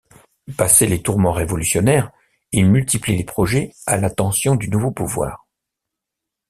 Passés les tourments révolutionnaires, il multiplie les projets à l'attention du nouveau pouvoir.